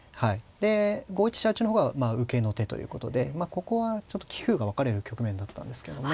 で５一飛車打の方は受けの手ということでここはちょっと棋風が分かれる局面だったんですけどね。